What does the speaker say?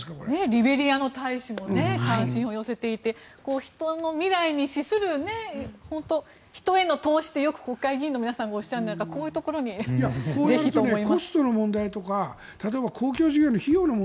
リベリアの大使も関心を寄せていて人の未来に資する本当に、人への投資ってよく国会議員の方がおっしゃいますがこういうところにぜひと思います。